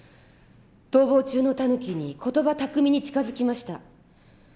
逃亡中のタヌキに言葉巧みに近づきました。